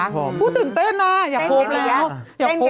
อืมอืมอืมอืมอืมอืมอืมอืมอืมอืมอืมอืมอืมอืมอืม